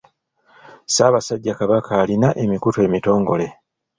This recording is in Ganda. Ssaabasajja Kabaka alina emikutu emitongole.